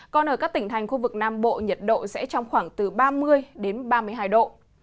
còn ở các tỉnh thành khu vực nam bộ nhiệt độ sẽ trong khoảng từ ba mươi đến ba mươi hai độ